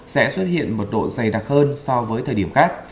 sẽ xuất hiện mật độ dày đặc hơn so với thời điểm khác